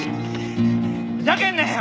ふざけんなよ！